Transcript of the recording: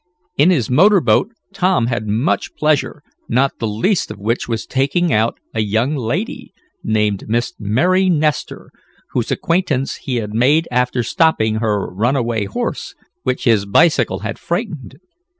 In his motor boat, Tom had much pleasure, not the least of which was taking out a young lady named Miss Mary Nestor, whose acquaintance he had made after stopping her runaway horse, which his bicycle had frightened.